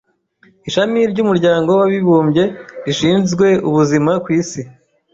Ishami ry'umuryango w'abibumbye rishinzwe ubuzima ku isi